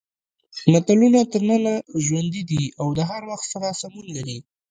متلونه تر ننه ژوندي دي او د هر وخت سره سمون لري